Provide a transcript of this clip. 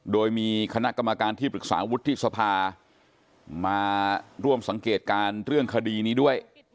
โดยมีคณะกรรมการที่ปรึกษาวุฒิสภามาร่วมสังเกตการณ์เรื่องคดีนี้ด้วย